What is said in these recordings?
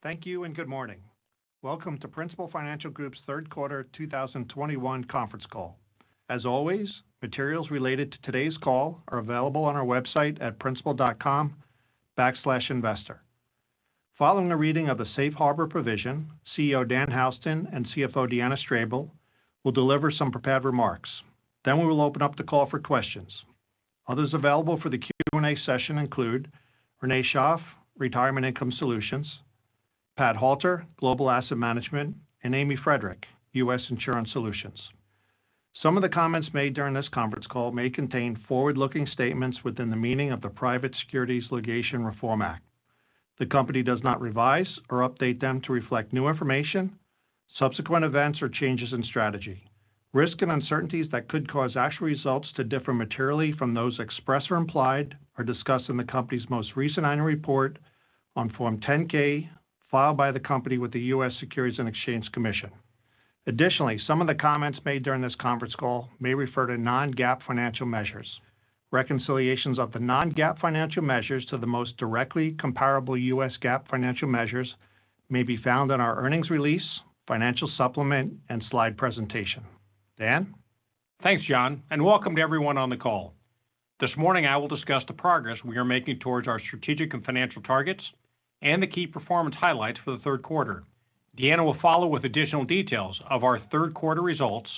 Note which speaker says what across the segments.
Speaker 1: Thank you and good morning. Welcome to Principal Financial Group's third quarter 2021 conference call. As always, materials related to today's call are available on our website at principal.com/investor. Following the reading of the safe harbor provision, CEO Dan Houston and CFO Deanna Strable will deliver some prepared remarks. We will open up the call for questions. Others available for the Q&A session include Renee Schaaf, Retirement and Income Solutions, Pat Halter, Global Asset Management, and Amy Friedrich, U.S. Insurance Solutions. Some of the comments made during this conference call may contain forward-looking statements within the meaning of the Private Securities Litigation Reform Act. The company does not revise or update them to reflect new information, subsequent events or changes in strategy. Risk and uncertainties that could cause actual results to differ materially from those expressed or implied are discussed in the company's most recent annual report on Form 10-K filed by the company with the U.S. Securities and Exchange Commission. Additionally, some of the comments made during this conference call may refer to non-GAAP financial measures. Reconciliations of the non-GAAP financial measures to the most directly comparable U.S. GAAP financial measures may be found on our earnings release, financial supplement and slide presentation. Dan.
Speaker 2: Thanks, John, and welcome to everyone on the call. This morning, I will discuss the progress we are making towards our strategic and financial targets and the key performance highlights for the third quarter. Deanna will follow with additional details of our third quarter results,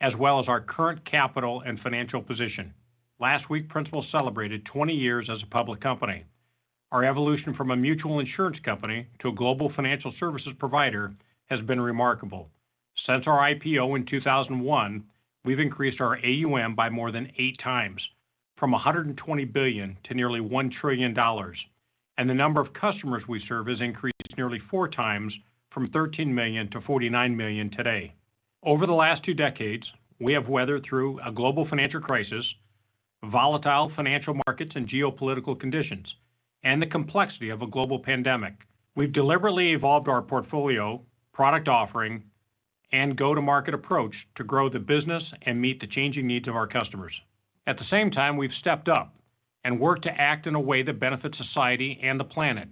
Speaker 2: as well as our current capital and financial position. Last week, Principal celebrated 20 years as a public company. Our evolution from a mutual insurance company to a global financial services provider has been remarkable. Since our IPO in 2001, we've increased our AUM by more than eight times, from $120 billion to nearly $1 trillion. The number of customers we serve has increased nearly four times from 13 million to 49 million today. Over the last two decades, we have weathered through a global financial crisis, volatile financial markets and geopolitical conditions, and the complexity of a global pandemic. We've deliberately evolved our portfolio, product offering, and go-to-market approach to grow the business and meet the changing needs of our customers. At the same time, we've stepped up and worked to act in a way that benefits society and the planet,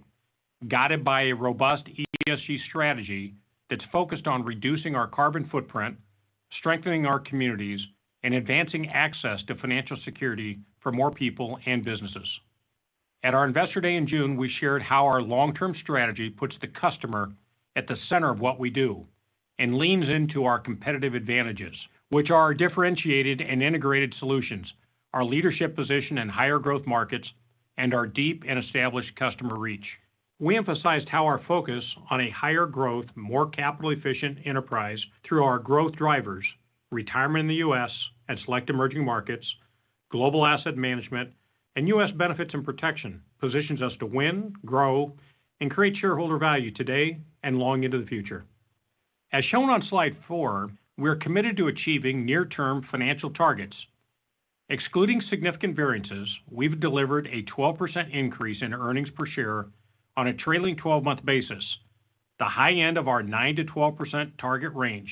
Speaker 2: guided by a robust ESG strategy that's focused on reducing our carbon footprint, strengthening our communities, and advancing access to financial security for more people and businesses. At our Investor Day in June, we shared how our long-term strategy puts the customer at the center of what we do and leans into our competitive advantages, which are differentiated and integrated solutions, our leadership position in higher growth markets, and our deep and established customer reach. We emphasized how our focus on a higher growth, more capital efficient enterprise through our growth drivers, retirement in the U.S. and select emerging markets, global asset management, and U.S. benefits and protection positions us to win, grow, and create shareholder value today and long into the future. As shown on slide four, we're committed to achieving near-term financial targets. Excluding significant variances, we've delivered a 12% increase in earnings per share on a trailing 12-month basis, the high end of our 9%-12% target range.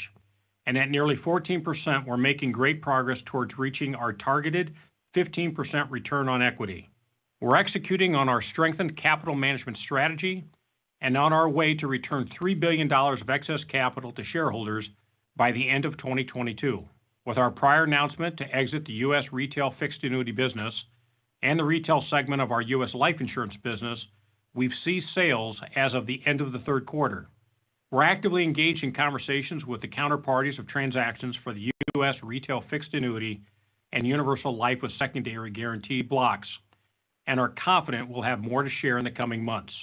Speaker 2: At nearly 14%, we're making great progress toward reaching our targeted 15% return on equity. We're executing on our strengthened capital management strategy and on our way to return $3 billion of excess capital to shareholders by the end of 2022. With our prior announcement to exit the U.S. retail fixed annuity business and the retail segment of our U.S. life insurance business, we've ceased sales as of the end of the third quarter. We're actively engaged in conversations with the counterparties of transactions for the U.S. retail fixed annuity and universal life with secondary guarantee blocks and are confident we'll have more to share in the coming months.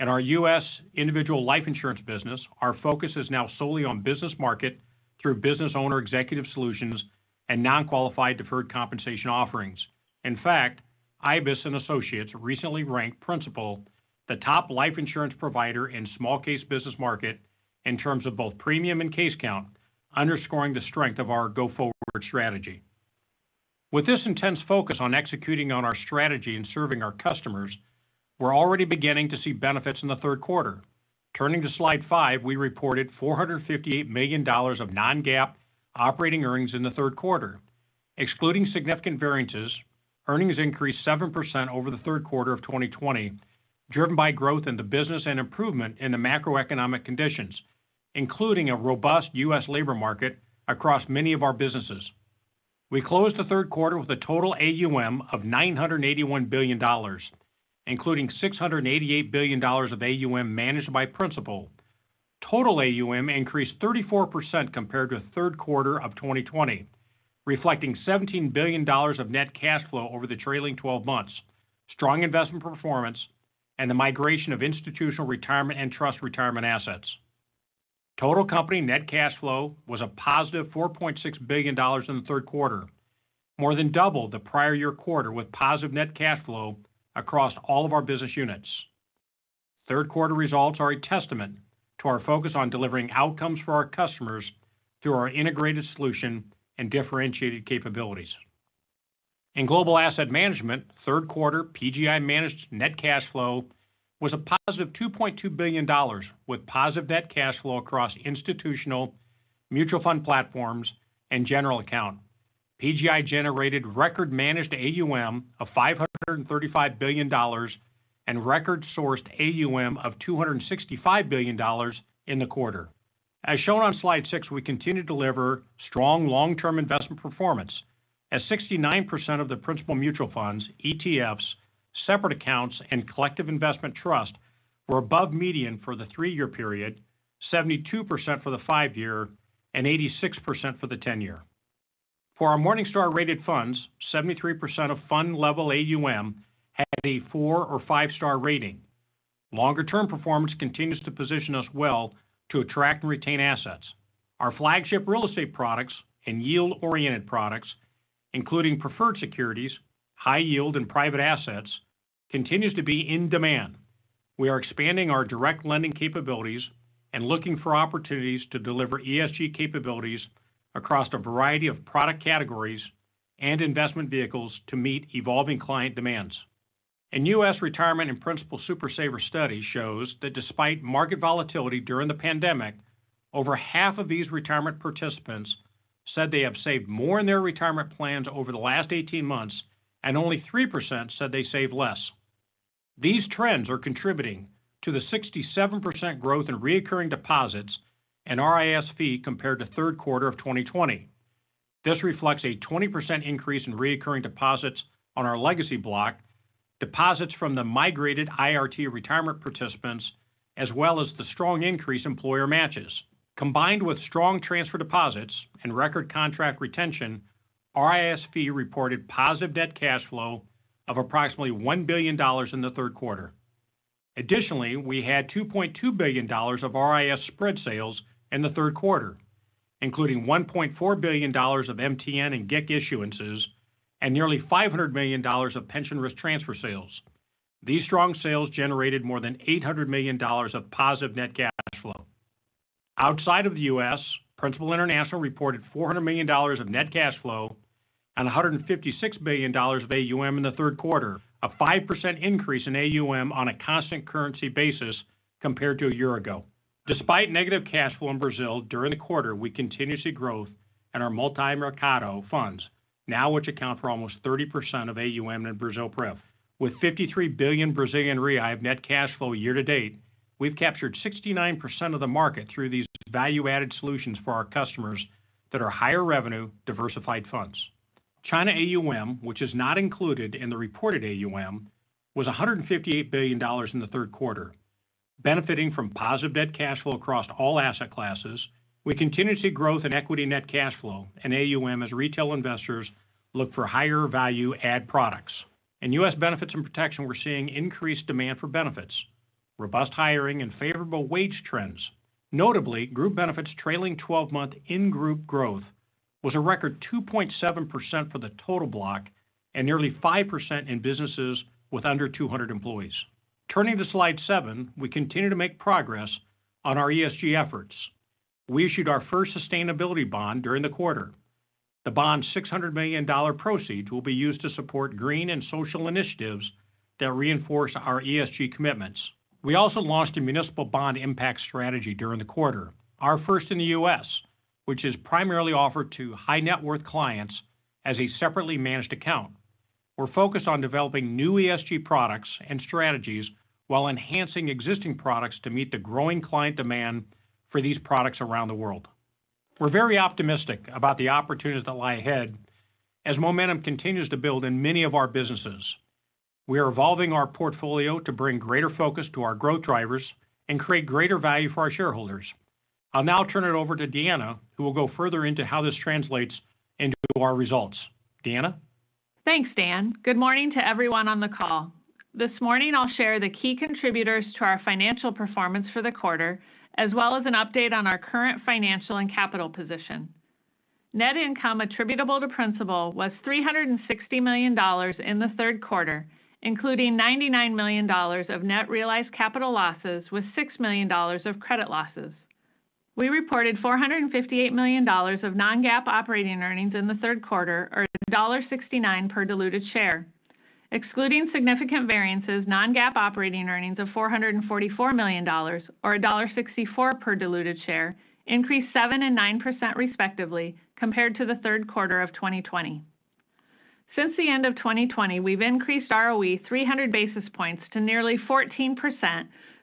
Speaker 2: In our U.S. individual life insurance business, our focus is now solely on business market through business owner executive solutions and non-qualified deferred compensation offerings. In fact, IBIS Associates recently ranked Principal the top life insurance provider in small case business market in terms of both premium and case count, underscoring the strength of our go forward strategy. With this intense focus on executing on our strategy and serving our customers, we're already beginning to see benefits in the third quarter. Turning to slide five, we reported $458 million of non-GAAP operating earnings in the third quarter. Excluding significant variances, earnings increased 7% over the third quarter of 2020, driven by growth in the business and improvement in the macroeconomic conditions, including a robust U.S. labor market across many of our businesses. We closed the third quarter with a total AUM of $981 billion, including $688 billion of AUM managed by Principal. Total AUM increased 34% compared to third quarter of 2020, reflecting $17 billion of net cash flow over the trailing 12 months, strong investment performance, and the migration of institutional retirement and trust retirement assets. Total company net cash flow was a +$4.6 billion in the third quarter, more than double the prior year quarter, with positive net cash flow across all of our business units. Third quarter results are a testament to our focus on delivering outcomes for our customers through our integrated solution and differentiated capabilities. In global asset management, third quarter PGI managed net cash flow was a +$2.2 billion, with positive net cash flow across institutional, mutual fund platforms, and general account. PGI generated record managed AUM of $535 billion and record sourced AUM of $265 billion in the quarter. As shown on slide six, we continue to deliver strong long-term investment performance as 69% of the Principal mutual funds, ETFs, separate accounts, and collective investment trust were above median for the three-year period, 72% for the five-year, and 86% for the 10-year. For our Morningstar rated funds, 73% of fund level AUM had a four- or five-star rating. Longer-term performance continues to position us well to attract and retain assets. Our flagship real estate products and yield-oriented products, including preferred securities, high yield, and private assets, continues to be in demand. We are expanding our direct lending capabilities and looking for opportunities to deliver ESG capabilities across a variety of product categories and investment vehicles to meet evolving client demands. In U.S. retirement and Principal Super Savers study shows that despite market volatility during the pandemic, over half of these retirement participants said they have saved more in their retirement plans over the last 18 months, and only 3% said they saved less. These trends are contributing to the 67% growth in recurring deposits and RIS-Fee compared to third quarter of 2020. This reflects a 20% increase in recurring deposits on our legacy block, deposits from the migrated IRT retirement participants, as well as the strong increase in employer matches. Combined with strong transfer deposits and record contract retention, RIS-Fee reported positive net cash flow of approximately $1 billion in the third quarter. Additionally, we had $2.2 billion of RIS spread sales in the third quarter, including $1.4 billion of MTN and GIC issuances and nearly $500 million of pension risk transfer sales. These strong sales generated more than $800 million of positive net cash flow. Outside of the U.S., Principal International reported $400 million of net cash flow and $156 billion of AUM in the third quarter, a 5% increase in AUM on a constant currency basis compared to a year ago. Despite negative cash flow in Brazil during the quarter, we continue to see growth in our Multimercado funds, now which account for almost 30% of AUM in Brasilprev. With 53 billion of net cash flow year to date, we've captured 69% of the market through these value-added solutions for our customers that are higher revenue, diversified funds. China AUM, which is not included in the reported AUM, was $158 billion in the third quarter. Benefiting from positive net cash flow across all asset classes, we continue to see growth in equity net cash flow and AUM as retail investors look for higher value add products. In U.S. benefits and protection, we're seeing increased demand for benefits, robust hiring and favorable wage trends. Notably, group benefits trailing twelve-month in-force growth was a record 2.7% for the total block and nearly 5% in businesses with under 200 employees. Turning to slide seven, we continue to make progress on our ESG efforts. We issued our first sustainability bond during the quarter. The bond's $600 million proceeds will be used to support green and social initiatives that reinforce our ESG commitments. We also launched a municipal bond impact strategy during the quarter, our first in the U.S., which is primarily offered to high net worth clients as a separately managed account. We're focused on developing new ESG products and strategies while enhancing existing products to meet the growing client demand for these products around the world. We're very optimistic about the opportunities that lie ahead as momentum continues to build in many of our businesses. We are evolving our portfolio to bring greater focus to our growth drivers and create greater value for our shareholders. I'll now turn it over to Deanna, who will go further into how this translates into our results. Deanna?
Speaker 3: Thanks, Dan. Good morning to everyone on the call. This morning, I'll share the key contributors to our financial performance for the quarter, as well as an update on our current financial and capital position. Net income attributable to Principal was $360 million in the third quarter, including $99 million of net realized capital losses with $6 million of credit losses. We reported $458 million of non-GAAP operating earnings in the third quarter or $1.69 per diluted share. Excluding significant variances, non-GAAP operating earnings of $444 million or $1.64 per diluted share increased 7% and 9% respectively, compared to the third quarter of 2020. Since the end of 2020, we've increased ROE 300 basis points to nearly 14%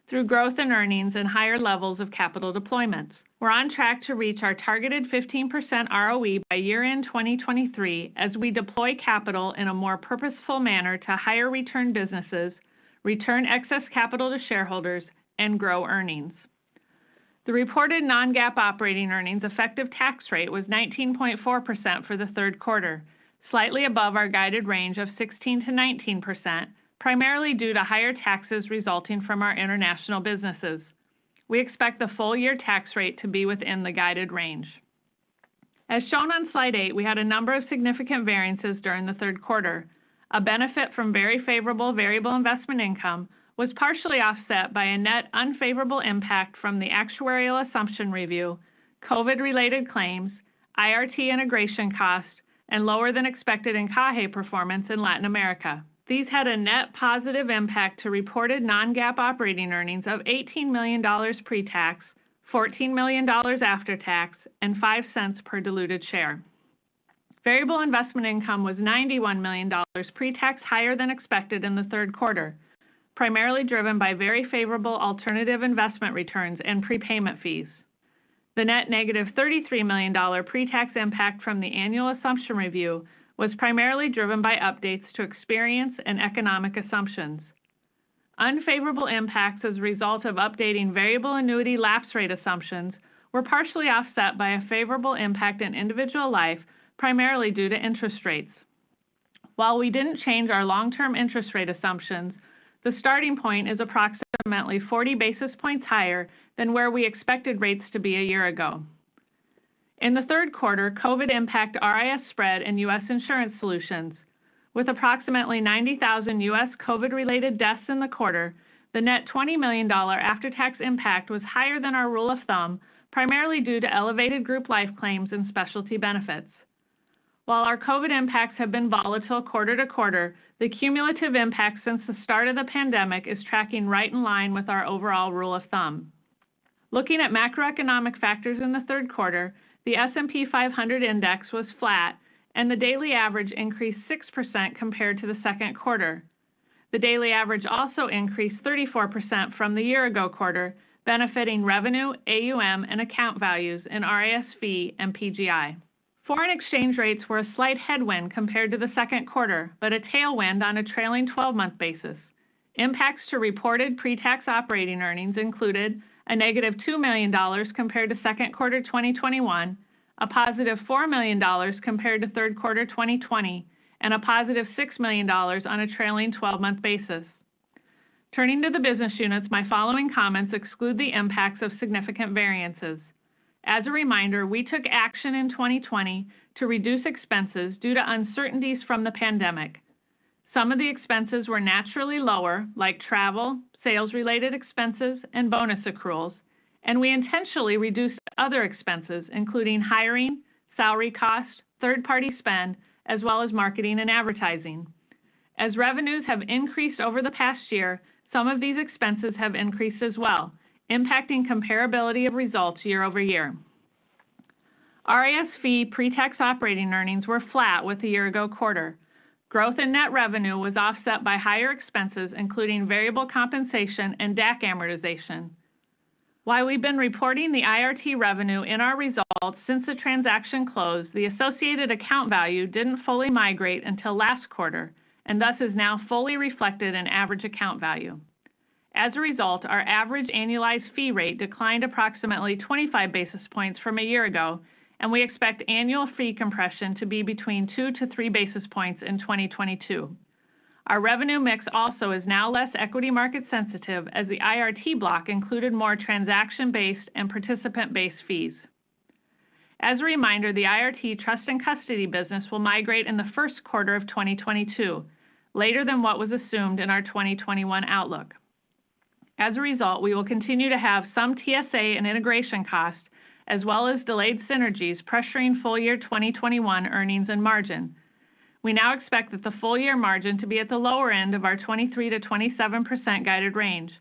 Speaker 3: through growth in earnings and higher levels of capital deployment. We're on track to reach our targeted 15% ROE by year-end 2023 as we deploy capital in a more purposeful manner to higher return businesses, return excess capital to shareholders, and grow earnings. The reported non-GAAP operating earnings effective tax rate was 19.4% for the third quarter, slightly above our guided range of 16%-19%, primarily due to higher taxes resulting from our international businesses. We expect the full year tax rate to be within the guided range. As shown on slide eight, we had a number of significant variances during the third quarter. A benefit from very favorable variable investment income was partially offset by a net unfavorable impact from the actuarial assumption review, COVID-related claims, IRT integration costs, and lower than expected encaje performance in Latin America. These had a net positive impact to reported non-GAAP operating earnings of $18 million pre-tax. $14 million after tax and $0.05 per diluted share. Variable investment income was $91 million pre-tax higher than expected in the third quarter, primarily driven by very favorable alternative investment returns and prepayment fees. The net -$33 million pre-tax impact from the annual assumption review was primarily driven by updates to experience and economic assumptions. Unfavorable impacts as a result of updating variable annuity lapse rate assumptions were partially offset by a favorable impact in individual life, primarily due to interest rates. While we didn't change our long-term interest rate assumptions, the starting point is approximately 40 basis points higher than where we expected rates to be a year ago. In the third quarter, COVID impact RIS spread in U.S. Insurance Solutions with approximately 90,000 U.S. COVID-related deaths in the quarter, the net $20 million after-tax impact was higher than our rule of thumb, primarily due to elevated group life claims and Specialty Benefits. While our COVID impacts have been volatile quarter to quarter, the cumulative impact since the start of the pandemic is tracking right in line with our overall rule of thumb. Looking at macroeconomic factors in the third quarter, the S&P 500 index was flat, and the daily average increased 6% compared to the second quarter. The daily average also increased 34% from the year ago quarter benefiting revenue, AUM, and account values in RIS-Fee and PGI. Foreign exchange rates were a slight headwind compared to the second quarter, but a tailwind on a trailing twelve-month basis. Impacts to reported pre-tax operating earnings included a -$2 million compared to second quarter 2021, a +$4 million compared to third quarter 2020, and a + $6 million on a trailing 12-month basis. Turning to the business units, my following comments exclude the impacts of significant variances. As a reminder, we took action in 2020 to reduce expenses due to uncertainties from the pandemic. Some of the expenses were naturally lower, like travel, sales-related expenses, and bonus accruals, and we intentionally reduced other expenses, including hiring, salary cost, third party spend, as well as marketing and advertising. As revenues have increased over the past year, some of these expenses have increased as well, impacting comparability of results year-over-year. RIS-Fee pre-tax operating earnings were flat with the year ago quarter. Growth in net revenue was offset by higher expenses, including variable compensation and DAC amortization. While we've been reporting the IRT revenue in our results since the transaction closed, the associated account value didn't fully migrate until last quarter, and thus is now fully reflected in average account value. As a result, our average annualized fee rate declined approximately 25 basis points from a year ago, and we expect annual fee compression to be between 2-3 basis points in 2022. Our revenue mix also is now less equity market sensitive as the IRT block included more transaction-based and participant-based fees. As a reminder, the IRT trust and custody business will migrate in the first quarter of 2022, later than what was assumed in our 2021 outlook. As a result, we will continue to have some TSA and integration costs as well as delayed synergies pressuring full year 2021 earnings and margin. We now expect the full year margin to be at the lower end of our 23%-27% guided range.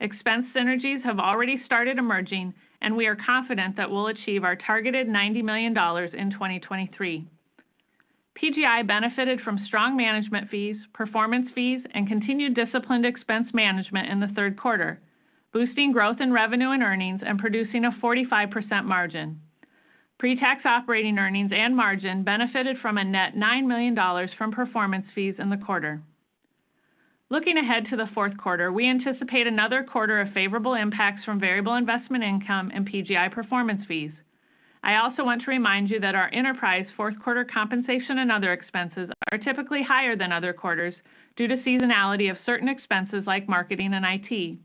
Speaker 3: Expense synergies have already started emerging, and we are confident that we'll achieve our targeted $90 million in 2023. PGI benefited from strong management fees, performance fees, and continued disciplined expense management in the third quarter, boosting growth in revenue and earnings and producing a 45% margin. Pre-tax operating earnings and margin benefited from a net $9 million from performance fees in the quarter. Looking ahead to the fourth quarter, we anticipate another quarter of favorable impacts from variable investment income and PGI performance fees. I also want to remind you that our enterprise fourth quarter compensation and other expenses are typically higher than other quarters due to seasonality of certain expenses like marketing and IT.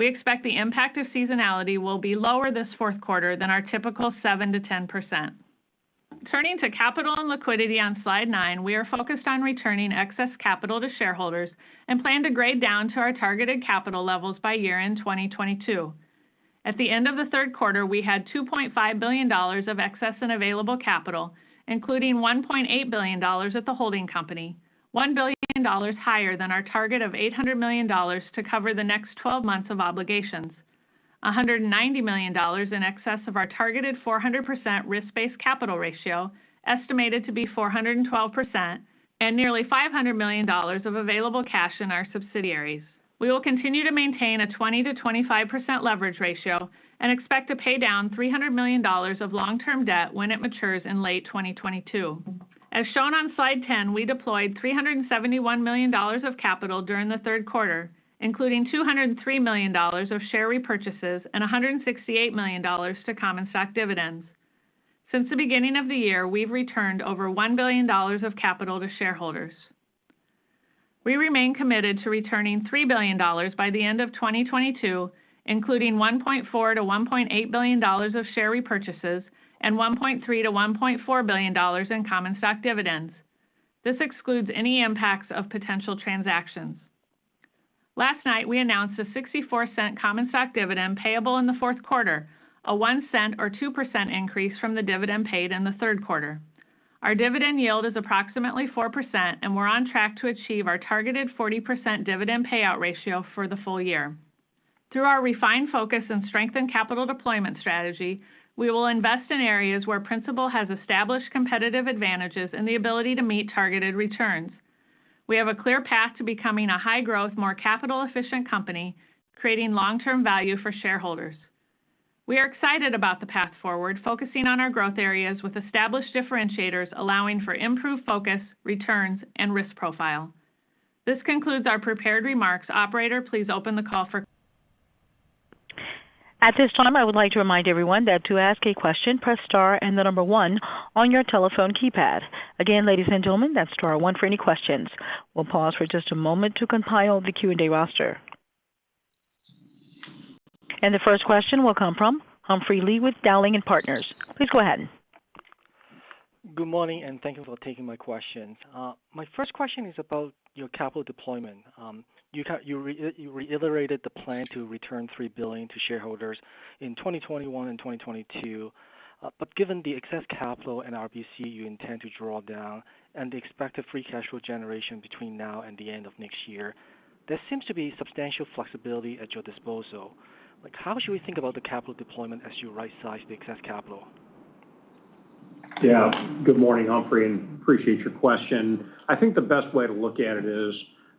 Speaker 3: We expect the impact of seasonality will be lower this fourth quarter than our typical 7%-10%. Turning to capital and liquidity on slide nine, we are focused on returning excess capital to shareholders and plan to grade down to our targeted capital levels by year-end 2022. At the end of the third quarter, we had $2.5 billion of excess and available capital, including $1.8 billion at the holding company, $1 billion higher than our target of $800 million to cover the next 12 months of obligations. $190 million in excess of our targeted 400% risk-based capital ratio, estimated to be 412%, and nearly $500 million of available cash in our subsidiaries. We will continue to maintain a 20%-25% leverage ratio and expect to pay down $300 million of long-term debt when it matures in late 2022. As shown on slide 10, we deployed $371 million of capital during the third quarter, including $203 million of share repurchases and $168 million to common stock dividends. Since the beginning of the year, we've returned over $1 billion of capital to shareholders. We remain committed to returning $3 billion by the end of 2022, including $1.4 billion-$1.8 billion of share repurchases and $1.3 billion-$1.4 billion in common stock dividends. This excludes any impacts of potential transactions. Last night, we announced a $0.64 common stock dividend payable in the fourth quarter, a $0.01 or 2% increase from the dividend paid in the third quarter. Our dividend yield is approximately 4%, and we're on track to achieve our targeted 40% dividend payout ratio for the full year. Through our refined focus and strengthened capital deployment strategy, we will invest in areas where Principal has established competitive advantages and the ability to meet targeted returns. We have a clear path to becoming a high-growth, more capital-efficient company, creating long-term value for shareholders. We are excited about the path forward, focusing on our growth areas with established differentiators, allowing for improved focus, returns, and risk profile. This concludes our prepared remarks. Operator, please open the call for.
Speaker 4: At this time, I would like to remind everyone that to ask a question, press star and the number one on your telephone keypad. Again, ladies and gentlemen, that's star one for any questions. We'll pause for just a moment to compile the Q&A roster. The first question will come from Humphrey Lee with Dowling & Partners. Please go ahead.
Speaker 5: Good morning, and thank you for taking my questions. My first question is about your capital deployment. You reiterated the plan to return $3 billion to shareholders in 2021 and 2022. Given the excess capital and RBC you intend to draw down and the expected free cash flow generation between now and the end of next year, there seems to be substantial flexibility at your disposal. Like, how should we think about the capital deployment as you right-size the excess capital?
Speaker 2: Yeah. Good morning, Humphrey, and appreciate your question. I think the best way to look at it is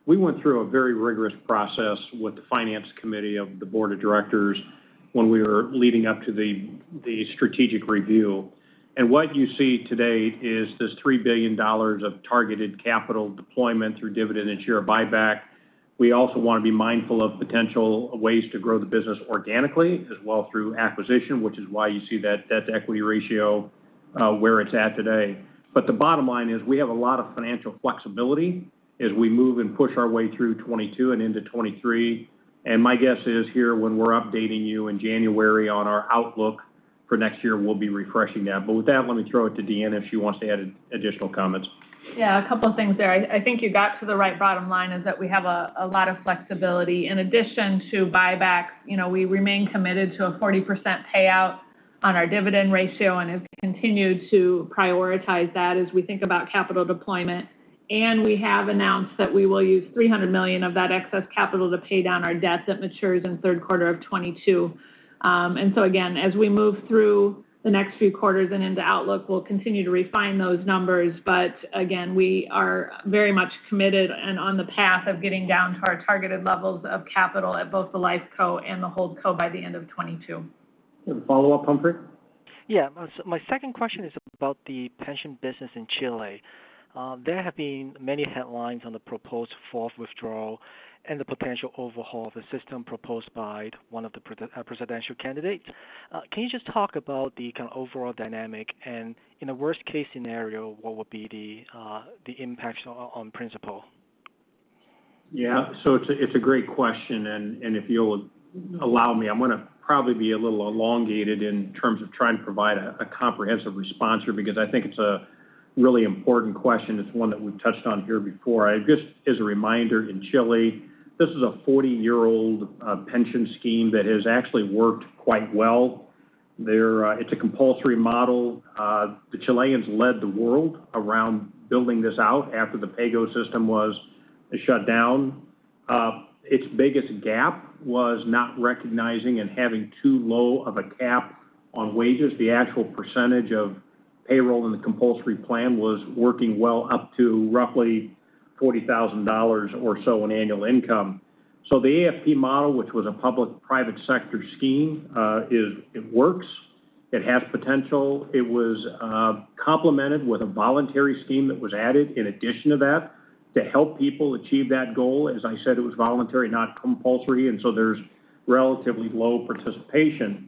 Speaker 2: we went through a very rigorous process with the finance committee of the board of directors when we were leading up to the strategic review. What you see today is this $3 billion of targeted capital deployment through dividend and share buyback. We also wanna be mindful of potential ways to grow the business organically as well through acquisition, which is why you see that debt-to-equity ratio where it's at today. The bottom line is we have a lot of financial flexibility as we move and push our way through 2022 and into 2023. My guess is here, when we're updating you in January on our outlook for next year, we'll be refreshing that. With that, let me throw it to Deanna if she wants to add an additional comments.
Speaker 3: Yeah, a couple of things there. I think you got to the right bottom line, is that we have a lot of flexibility. In addition to buyback, you know, we remain committed to a 40% payout on our dividend ratio and have continued to prioritize that as we think about capital deployment. We have announced that we will use $300 million of that excess capital to pay down our debt that matures in the third quarter of 2022. Again, as we move through the next few quarters and into outlook, we'll continue to refine those numbers. Again, we are very much committed and on the path of getting down to our targeted levels of capital at both the Life Co and the Hold Co by the end of 2022.
Speaker 2: You have a follow-up, Humphrey?
Speaker 5: Yeah. My second question is about the pension business in Chile. There have been many headlines on the proposed fourth withdrawal and the potential overhaul of the system proposed by one of the presidential candidates. Can you just talk about the kind of overall dynamic? In a worst-case scenario, what would be the impacts on Principal?
Speaker 2: Yeah, it's a great question. If you'll allow me, I'm gonna probably be a little elongated in terms of trying to provide a comprehensive response here because I think it's a really important question. It's one that we've touched on here before. Just as a reminder, in Chile, this is a 40-year-old pension scheme that has actually worked quite well. It is a compulsory model. The Chileans led the world around building this out after the PAYGO system was shut down. Its biggest gap was not recognizing and having too low of a cap on wages. The actual percentage of payroll in the compulsory plan was working well up to roughly $40,000 or so in annual income. The AFP model, which was a public-private sector scheme, it works. It has potential. It was complemented with a voluntary scheme that was added in addition to that to help people achieve that goal. As I said, it was voluntary, not compulsory, and so there's relatively low participation.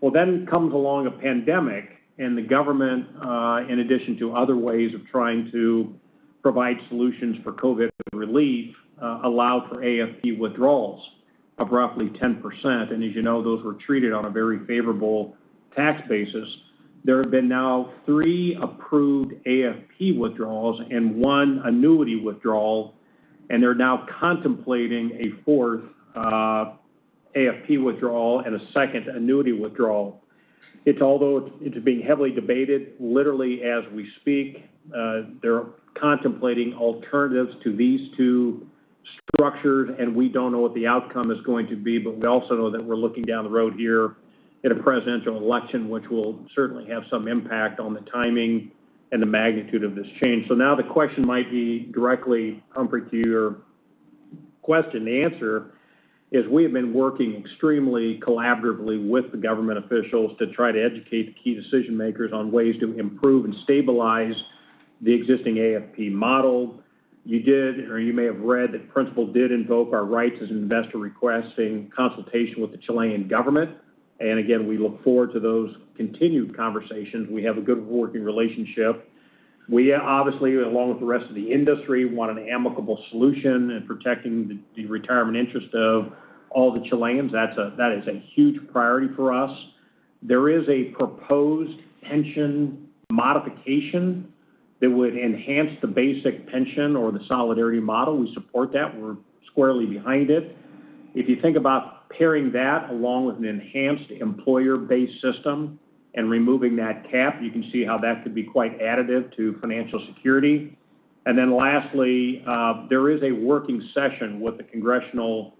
Speaker 2: Well, then comes along a pandemic, and the government, in addition to other ways of trying to provide solutions for COVID relief, allowed for AFP withdrawals of roughly 10%. As you know, those were treated on a very favorable tax basis. There have been now three approved AFP withdrawals and one annuity withdrawal, and they're now contemplating a fourth AFP withdrawal and a second annuity withdrawal. Although it's being heavily debated, literally as we speak, they're contemplating alternatives to these two structures, and we don't know what the outcome is going to be. We also know that we're looking down the road here at a presidential election, which will certainly have some impact on the timing and the magnitude of this change. Now the question might be directly, Humphrey, to your question. The answer is we have been working extremely collaboratively with the government officials to try to educate the key decision makers on ways to improve and stabilize the existing AFP model. You did, or you may have read that Principal did invoke our rights as an investor requesting consultation with the Chilean government. Again, we look forward to those continued conversations. We have a good working relationship. We, obviously, along with the rest of the industry, want an amicable solution in protecting the retirement interest of all the Chileans. That is a huge priority for us. There is a proposed pension modification that would enhance the basic pension or the solidarity model. We support that. We're squarely behind it. If you think about pairing that along with an enhanced employer-based system and removing that cap, you can see how that could be quite additive to financial security. Lastly, there is a working session with the congressional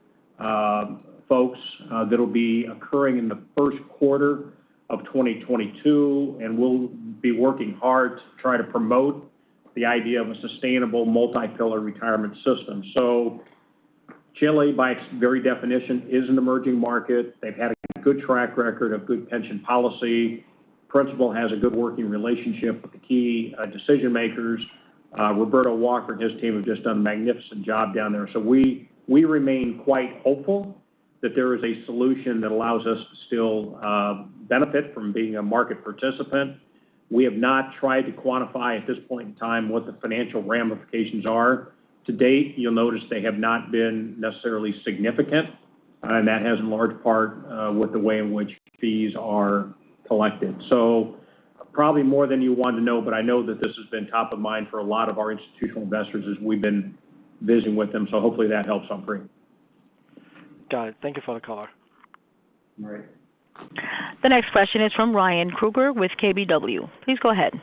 Speaker 2: folks that'll be occurring in the first quarter of 2022, and we'll be working hard to try to promote the idea of a sustainable multi-pillar retirement system. Chile, by its very definition, is an emerging market. They've had a good track record of good pension policy. Principal has a good working relationship with the key decision-makers. Roberto Walker and his team have just done a magnificent job down there. We remain quite hopeful that there is a solution that allows us to still benefit from being a market participant. We have not tried to quantify at this point in time what the financial ramifications are. To date, you'll notice they have not been necessarily significant, and that has in large part with the way in which fees are collected. Probably more than you want to know, but I know that this has been top of mind for a lot of our institutional investors as we've been visiting with them. Hopefully that helps, Humphrey.
Speaker 5: Got it. Thank you for the color.
Speaker 2: All right.
Speaker 4: The next question is from Ryan Krueger with KBW. Please go ahead.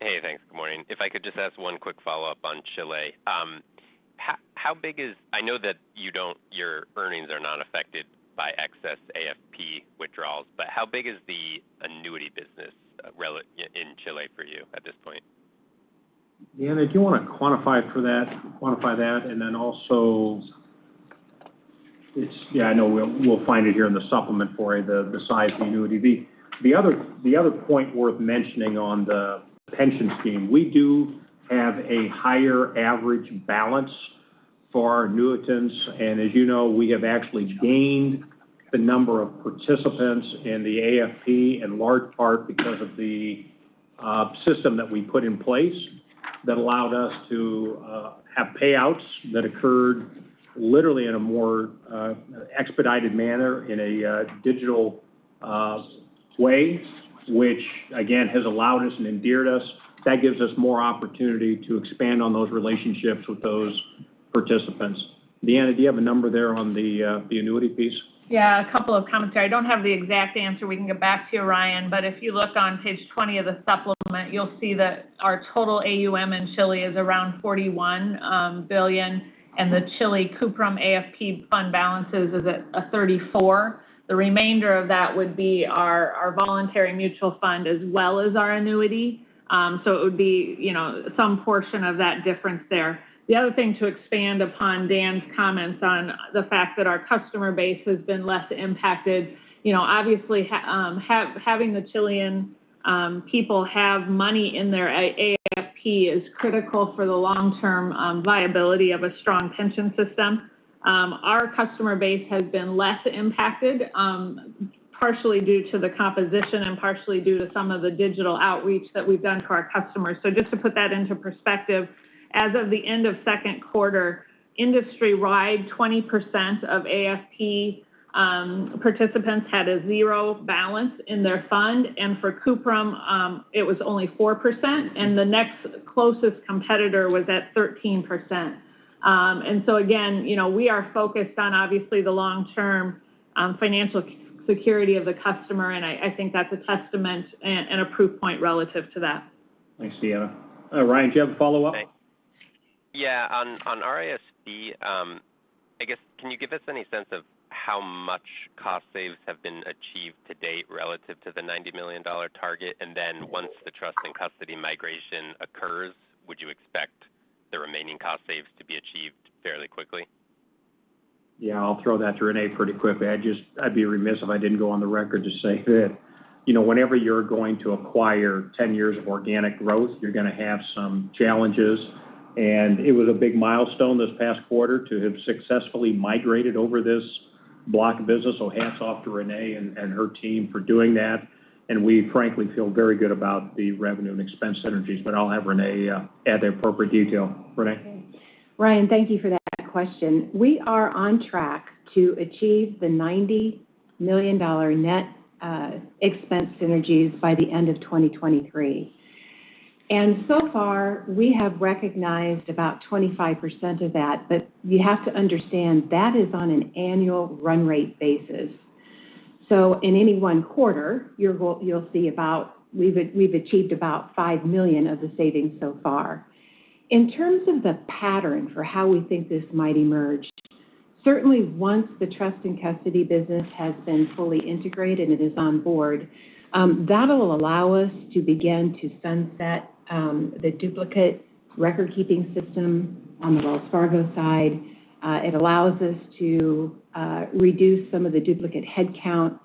Speaker 6: Hey, thanks. Good morning. If I could just ask one quick follow-up on Chile. How big is it? I know that your earnings are not affected by excess AFP withdrawals, but how big is the annuity business in Chile for you at this point?
Speaker 2: Deanna, do you wanna quantify for that, quantify that? Then also, Yeah, I know we'll find it here in the supplement for the size of the annuity. The other point worth mentioning on the pension scheme, we do have a higher average balance for our annuitants. As you know, we have actually gained the number of participants in the AFP, in large part because of the system that we put in place that allowed us to have payouts that occurred literally in a more expedited manner in a digital way, which again, has allowed us and endeared us. That gives us more opportunity to expand on those relationships with those participants. Deanna, do you have a number there on the annuity piece?
Speaker 3: Yeah, a couple of comments there. I don't have the exact answer. We can get back to you, Ryan, but if you look on page 20 of the supplement, you'll see that our total AUM in Chile is around $41 billion, and the Chile Cuprum AFP fund balances is at $34 billion. The remainder of that would be our voluntary mutual fund as well as our annuity. So it would be, you know, some portion of that difference there. The other thing to expand upon Dan's comments on the fact that our customer base has been less impacted, you know, obviously having the Chilean people have money in their AFP is critical for the long-term viability of a strong pension system. Our customer base has been less impacted, partially due to the composition and partially due to some of the digital outreach that we've done for our customers. Just to put that into perspective, as of the end of second quarter, industry-wide, 20% of AFP participants had a 0 balance in their fund, and for Cuprum, it was only 4%, and the next closest competitor was at 13%. Again, you know, we are focused on obviously the long-term financial security of the customer, and I think that's a testament and a proof point relative to that.
Speaker 2: Thanks, Deanna. Ryan, do you have a follow-up?
Speaker 6: On RIS-Fee, I guess, can you give us any sense of how much cost savings have been achieved to date relative to the $90 million target? Once the trust and custody migration occurs, would you expect the remaining cost savings to be achieved fairly quickly?
Speaker 2: Yeah. I'll throw that to Renee pretty quick. I'd be remiss if I didn't go on the record to say that, you know, whenever you're going to acquire 10 years of organic growth, you're gonna have some challenges. It was a big milestone this past quarter to have successfully migrated over this block of business. Hats off to Renee and her team for doing that. We frankly feel very good about the revenue and expense synergies, but I'll have Renee add the appropriate detail. Renee?
Speaker 7: Ryan, thank you for that question. We are on track to achieve the $90 million net expense synergies by the end of 2023. So far, we have recognized about 25% of that, but you have to understand that is on an annual run rate basis. In any one quarter, you'll see we've achieved about $5 million of the savings so far. In terms of the pattern for how we think this might emerge, certainly once the trust and custody business has been fully integrated and is on board, that'll allow us to begin to sunset the duplicate record-keeping system on the Wells Fargo side. It allows us to reduce some of the duplicate headcount.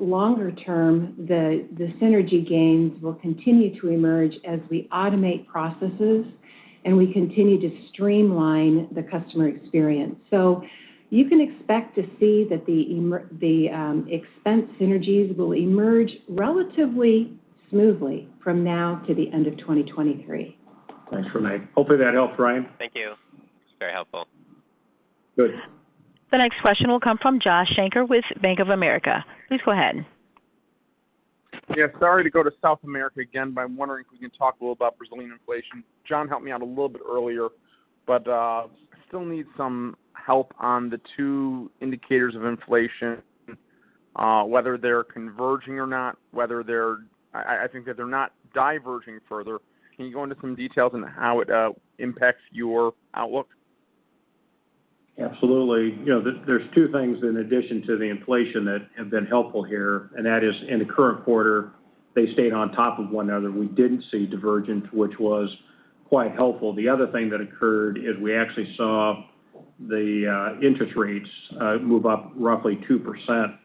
Speaker 7: Longer term, the synergy gains will continue to emerge as we automate processes and we continue to streamline the customer experience. You can expect to see that the expense synergies will emerge relatively smoothly from now to the end of 2023.
Speaker 2: Thanks, Renee. Hopefully that helps, Ryan.
Speaker 6: Thank you. It's very helpful.
Speaker 2: Good.
Speaker 4: The next question will come from Josh Shanker with Bank of America. Please go ahead.
Speaker 8: Yeah, sorry to go to South America again, but I'm wondering if we can talk a little about Brazilian inflation. John helped me out a little bit earlier, but still need some help on the two indicators of inflation, whether they're converging or not, I think that they're not diverging further. Can you go into some details on how it impacts your outlook?
Speaker 2: Absolutely. You know, there are two things in addition to the inflation that have been helpful here, and that is in the current quarter, they stayed on top of one another. We didn't see divergence, which was quite helpful. The other thing that occurred is we actually saw the interest rates move up roughly 2%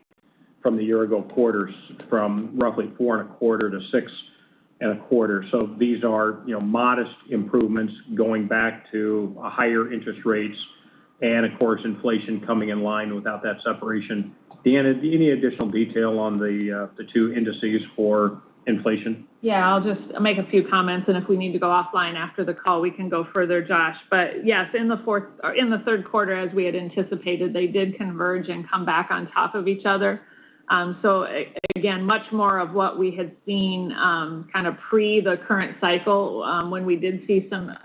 Speaker 2: from the year-ago quarters, from roughly 4.25 to 6.25. So these are, you know, modest improvements going back to higher interest rates and of course, inflation coming in line without that separation. Deanna, any additional detail on the two indices for inflation?
Speaker 3: Yeah, I'll just make a few comments, and if we need to go offline after the call, we can go further, Josh. Yes, in the third quarter, as we had anticipated, they did converge and come back on top of each other. Again, much more of what we had seen kinda pre the current cycle, when we did see some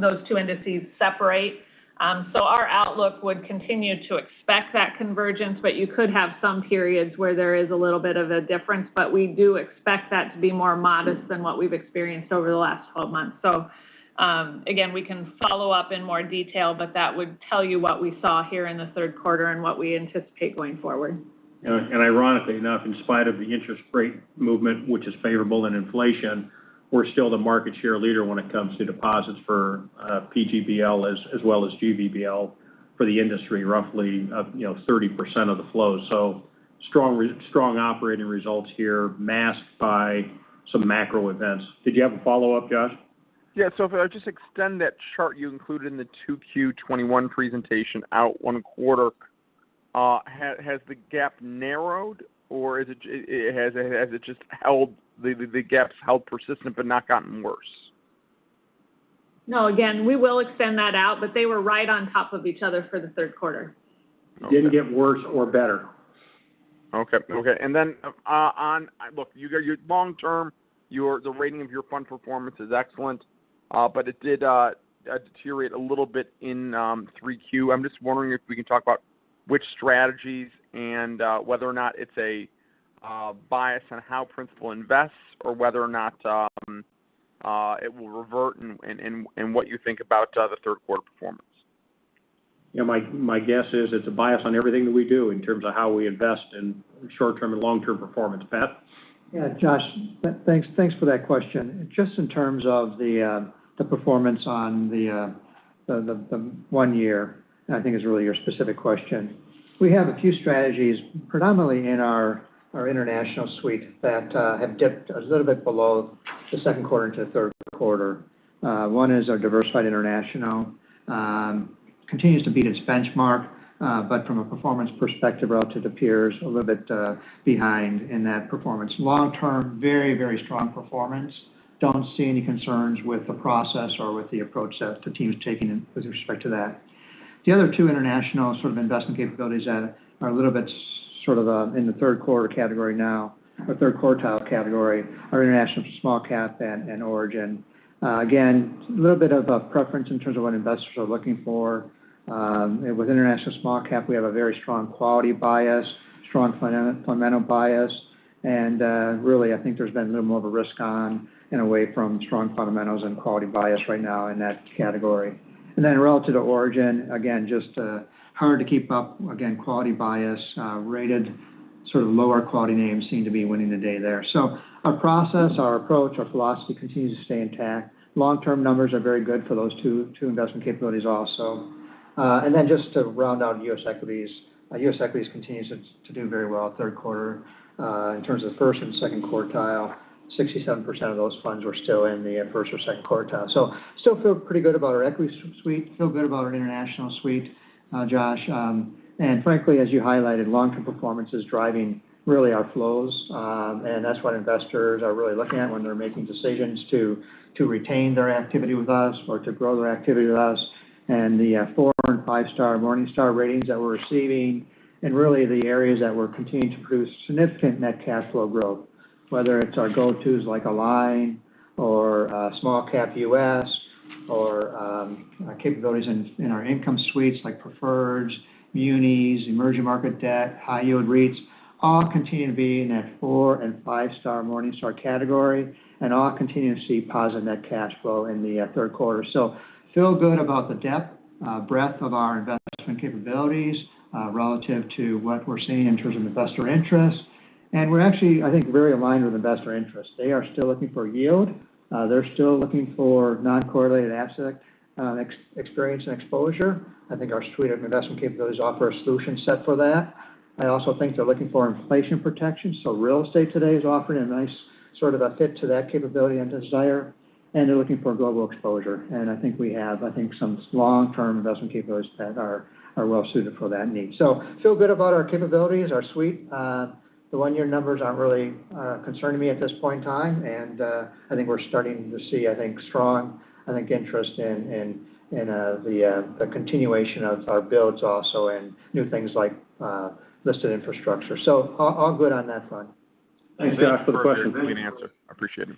Speaker 3: those two indices separate. Our outlook would continue to expect that convergence, but you could have some periods where there is a little bit of a difference. We do expect that to be more modest than what we've experienced over the last twelve months. Again, we can follow up in more detail, but that would tell you what we saw here in the third quarter and what we anticipate going forward.
Speaker 2: Ironically enough, in spite of the interest rate movement, which is favorable in inflation, we're still the market share leader when it comes to deposits for PGBL as well as VGBL for the industry, roughly 30% of the flow. Strong operating results here masked by some macro events. Did you have a follow-up, Josh?
Speaker 8: If I just extend that chart you included in the 2Q 2021 presentation out one quarter, has the gap narrowed or has it just held the gap's held persistent but not gotten worse?
Speaker 3: No, again, we will extend that out, but they were right on top of each other for the third quarter.
Speaker 2: Didn't get worse or better.
Speaker 8: Look, you got your long term, the rating of your fund performance is excellent, but it did deteriorate a little bit in 3Q. I'm just wondering if we can talk about which strategies and whether or not it's a bias on how Principal invests or whether or not it will revert in what you think about the third quarter performance.
Speaker 2: Yeah, my guess is it's a bias on everything that we do in terms of how we invest in short-term and long-term performance. Pat?
Speaker 9: Yeah, Josh, thanks for that question. Just in terms of the performance on the one year, I think is really your specific question. We have a few strategies, predominantly in our international suite that have dipped a little bit below the second quarter into the third quarter. One is our Diversified International, continues to beat its benchmark, but from a performance perspective relative to peers, a little bit behind in that performance. Long-term, very, very strong performance. Don't see any concerns with the process or with the approach that the team's taking in with respect to that. The other two international sort of investment capabilities that are a little bit sort of in the third quarter category now, or third quartile category, are International Small Cap and Origin. Again, little bit of a preference in terms of what investors are looking for. With International Small Cap, we have a very strong quality bias, strong fundamental bias. Really, I think there's been a little more of a risk on in a way from strong fundamentals and quality bias right now in that category. Relative to Origin, again, just hard to keep up. Again, quality bias, rated sort of lower quality names seem to be winning the day there. Our process, our approach, our philosophy continues to stay intact. Long-term numbers are very good for those two investment capabilities also. Just to round out U.S. equities. U.S. equities continues to do very well third quarter. In terms of first and second quartile, 67% of those funds were still in the first or second quartile. Still feel pretty good about our equity suite, feel good about our international suite, Josh. Frankly, as you highlighted, long-term performance is driving really our flows. That's what investors are really looking at when they're making decisions to retain their activity with us or to grow their activity with us. The four- and five-star Morningstar ratings that we're receiving and really the areas that we're continuing to produce significant net cash flow growth, whether it's our go-tos like Align or Small Cap U.S. or our capabilities in our income suites like Preferreds, Munis, Emerging Market Debt, High Yield REITs, all continue to be in that four- and five-star Morningstar category and all continue to see positive net cash flow in the third quarter. Feel good about the depth, breadth of our investment capabilities, relative to what we're seeing in terms of investor interest. We're actually, I think, very aligned with investor interest. They are still looking for yield. They're still looking for non-correlated asset, experience and exposure. I think our suite of investment capabilities offer a solution set for that. I also think they're looking for inflation protection. Real estate today is offering a nice sort of a fit to that capability and desire. They're looking for global exposure. I think we have some long-term investment capabilities that are well suited for that need. Feel good about our capabilities, our suite. The one-year numbers aren't really concerning me at this point in time. I think we're starting to see strong interest in the continuation of our builds also and new things like listed infrastructure. All good on that front.
Speaker 2: Thanks, Josh, for the question.
Speaker 8: Thanks for the answer. I appreciate it.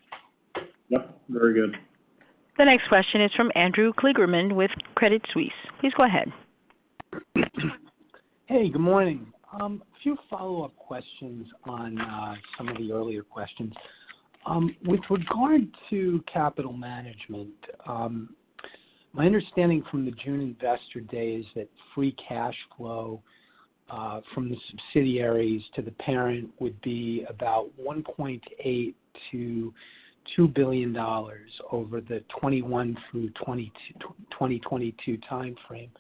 Speaker 2: Yep, very good.
Speaker 4: The next question is from Andrew Kligerman with Credit Suisse. Please go ahead.
Speaker 10: Hey, good morning. A few follow-up questions on some of the earlier questions. With regard to capital management, my understanding from the June Investor Day is that free cash flow from the subsidiaries to the parent would be about $1.8 billion-$2 billion over the 2021 through 2022 time frame.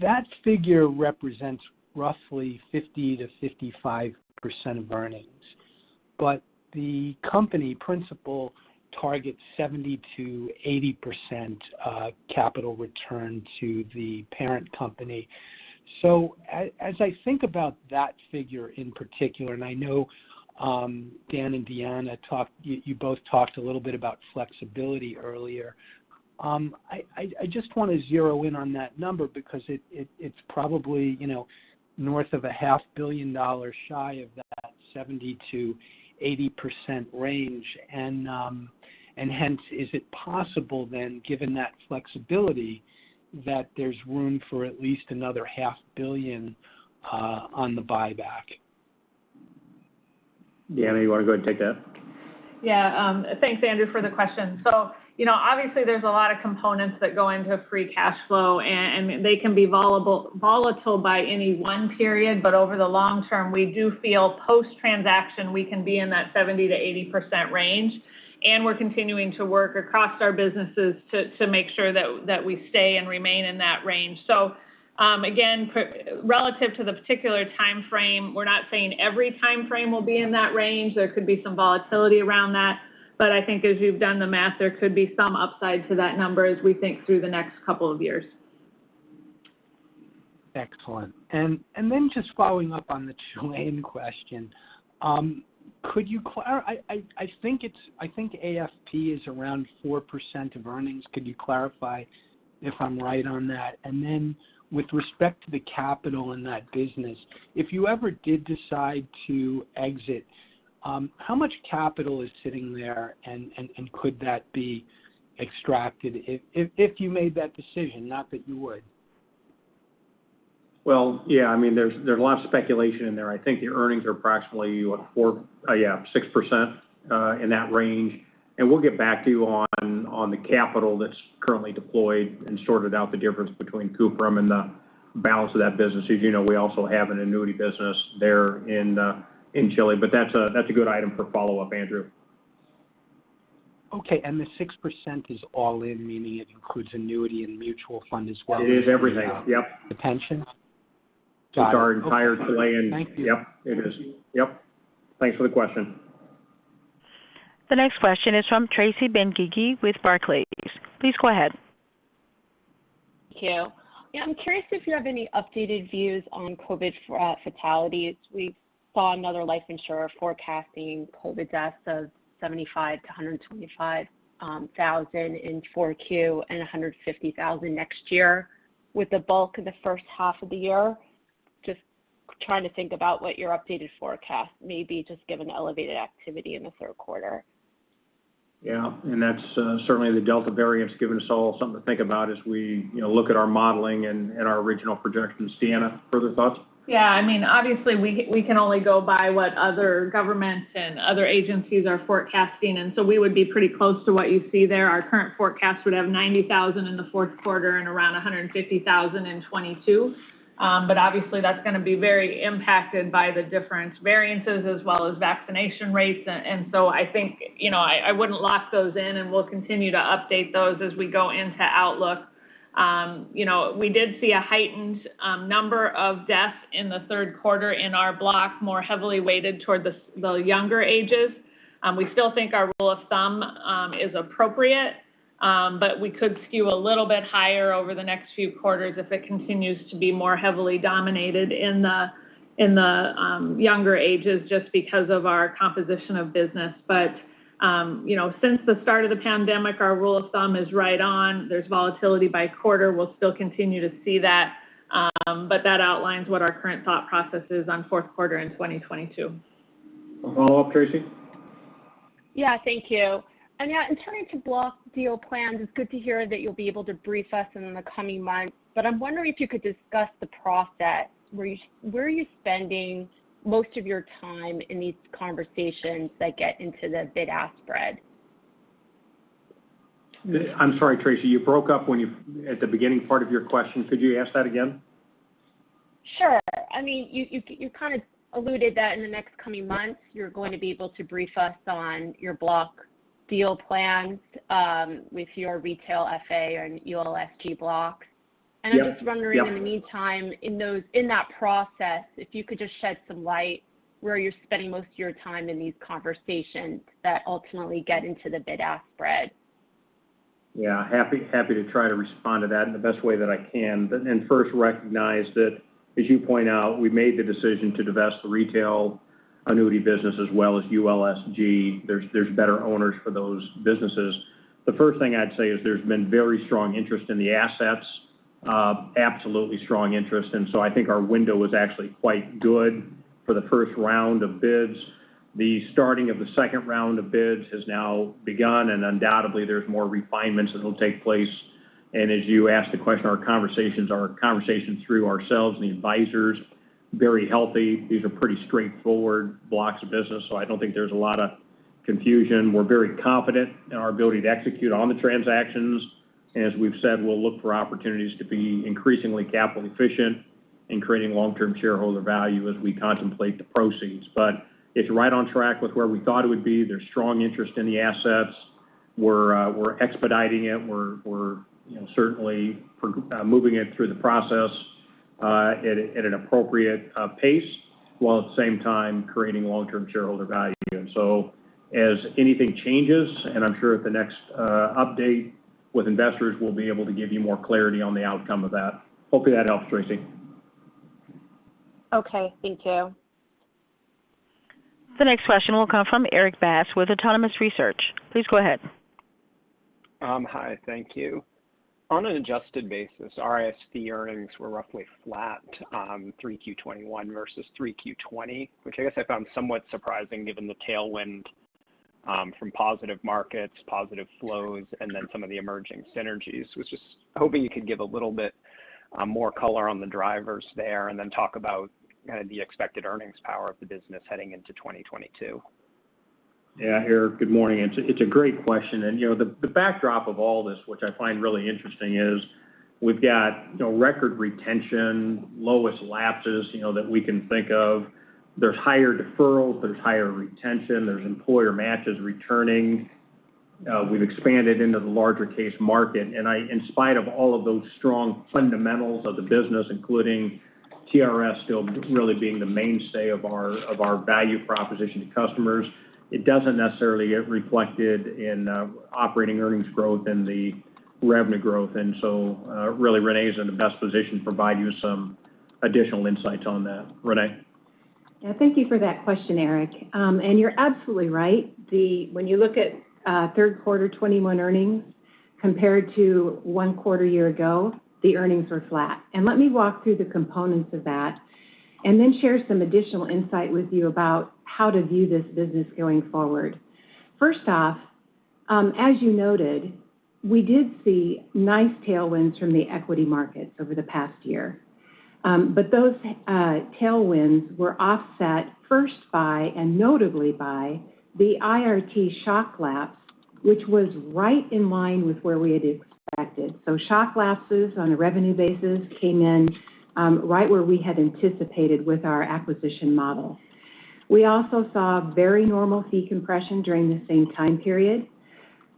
Speaker 10: That figure represents roughly 50%-55% of earnings, but the company Principal targets 70%-80% capital return to the parent company. As I think about that figure in particular, and I know you both talked a little bit about flexibility earlier. I just wanna zero in on that number because it's probably, you know, north of a $500 million shy of that 70%-80% range. Hence, is it possible then, given that flexibility, that there's room for at least another $500 million on the buyback?
Speaker 2: Deanna, you wanna go and take that?
Speaker 3: Thanks, Andrew, for the question. You know, obviously, there's a lot of components that go into free cash flow, and they can be volatile in any one period, but over the long term, we do feel post-transaction, we can be in that 70%-80% range, and we're continuing to work across our businesses to make sure that we stay and remain in that range. Again, relative to the particular time frame, we're not saying every time frame will be in that range. There could be some volatility around that. I think as you've done the math, there could be some upside to that number as we think through the next couple of years.
Speaker 10: Excellent. Just following up on the Chile question, I think AFP is around 4% of earnings. Could you clarify if I'm right on that? Then with respect to the capital in that business, if you ever did decide to exit, how much capital is sitting there? Could that be extracted if you made that decision, not that you would.
Speaker 2: Well, yeah. I mean, there's a lot of speculation in there. I think the earnings are approximately 6%, in that range. We'll get back to you on the capital that's currently deployed and sorted out the difference between Cuprum and the balance of that business. As you know, we also have an annuity business there in Chile, but that's a good item for follow-up, Andrew.
Speaker 10: Okay. The 6% is all in, meaning it includes annuity and mutual fund as well-
Speaker 2: It is everything. Yep.
Speaker 10: The pensions?
Speaker 2: It's our entire Chilean.
Speaker 10: Thank you.
Speaker 2: Yep, it is. Yep. Thanks for the question.
Speaker 4: The next question is from Tracy Benguigui with Barclays. Please go ahead.
Speaker 11: Thank you. Yeah, I'm curious if you have any updated views on COVID fatalities. We saw another life insurer forecasting COVID deaths of 75-125 thousand in 4Q and 150 thousand next year, with the bulk in the first half of the year. Just trying to think about what your updated forecast may be, just given the elevated activity in the third quarter.
Speaker 2: Yeah. That's certainly the Delta variant has given us all something to think about as we look at our modeling and our original projections. Deanna, further thoughts?
Speaker 3: Yeah. I mean, obviously, we can only go by what other governments and other agencies are forecasting, and so we would be pretty close to what you see there. Our current forecast would have 90,000 in the fourth quarter and around 150,000 in 2022. But obviously, that's gonna be very impacted by the different variants as well as vaccination rates. I think, you know, I wouldn't lock those in, and we'll continue to update those as we go into outlook. You know, we did see a heightened number of deaths in the third quarter in our block, more heavily weighted toward the younger ages. We still think our rule of thumb is appropriate, but we could skew a little bit higher over the next few quarters if it continues to be more heavily dominated in the younger ages just because of our composition of business. You know, since the start of the pandemic, our rule of thumb is right on. There's volatility by quarter. We'll still continue to see that. That outlines what our current thought process is on fourth quarter in 2022.
Speaker 2: A follow-up, Tracy?
Speaker 11: Yeah. Thank you. Yeah, in terms of block deal plans, it's good to hear that you'll be able to brief us in the coming months. I'm wondering if you could discuss the process. Where are you spending most of your time in these conversations that get into the bid-ask spread?
Speaker 2: I'm sorry, Tracy, you broke up at the beginning part of your question. Could you ask that again?
Speaker 11: Sure. I mean, you kind of alluded that in the next coming months, you're going to be able to brief us on your block deal plans with your retail FA and ULSG block.
Speaker 2: Yeah.
Speaker 11: I'm just wondering, in the meantime, in that process, if you could just shed some light where you're spending most of your time in these conversations that ultimately get into the bid-ask spread.
Speaker 2: Yeah. Happy to try to respond to that in the best way that I can. First recognize that, as you point out, we made the decision to divest the retail annuity business as well as ULSG. There's better owners for those businesses. The first thing I'd say is there's been very strong interest in the assets, absolutely strong interest. I think our window was actually quite good for the first round of bids. The starting of the second round of bids has now begun, and undoubtedly, there's more refinements that'll take place. As you asked the question, our conversations through ourselves and the advisors, very healthy. These are pretty straightforward blocks of business, so I don't think there's a lot of confusion. We're very confident in our ability to execute on the transactions. As we've said, we'll look for opportunities to be increasingly capital efficient in creating long-term shareholder value as we contemplate the proceeds. It's right on track with where we thought it would be. There's strong interest in the assets. We're expediting it. We're you know, certainly moving it through the process at an appropriate pace, while at the same time creating long-term shareholder value. As anything changes, and I'm sure at the next update with investors, we'll be able to give you more clarity on the outcome of that. Hopefully, that helps, Tracy.
Speaker 11: Okay. Thank you.
Speaker 4: The next question will come from Erik Bass with Autonomous Research. Please go ahead.
Speaker 12: Hi. Thank you. On an adjusted basis, RIS-Fee earnings were roughly flat on 3Q 2021 versus 3Q 2020, which I guess I found somewhat surprising given the tailwind from positive markets, positive flows, and then some of the emerging synergies. Was just hoping you could give a little bit more color on the drivers there, and then talk about kind of the expected earnings power of the business heading into 2022.
Speaker 2: Yeah, Eric, good morning. It's a great question. You know, the backdrop of all this, which I find really interesting, is we've got you know, record retention, lowest lapses you know, that we can think of. There's higher deferrals. There's higher retention. There's employer matches returning. We've expanded into the larger case market. In spite of all of those strong fundamentals of the business, including TRS still really being the mainstay of our value proposition to customers, it doesn't necessarily get reflected in operating earnings growth and the revenue growth. Really, Renee is in the best position to provide you some additional insights on that. Renee?
Speaker 7: Yeah. Thank you for that question, Eric. You're absolutely right. When you look at third quarter 2021 earnings compared to one quarter year ago, the earnings were flat. Let me walk through the components of that, and then share some additional insight with you about how to view this business going forward. First off, as you noted, we did see nice tailwinds from the equity markets over the past year. Those tailwinds were offset first by, and notably by, the IRT shock lapse, which was right in line with where we had expected. Shock lapses on a revenue basis came in right where we had anticipated with our acquisition model. We also saw very normal fee compression during the same time period.